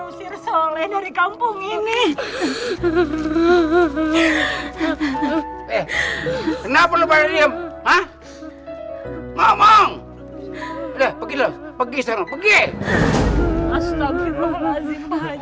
usir sole dari kampung ini kenapa lu pada diem hah ngomong udah pergi lah pergi sana pergi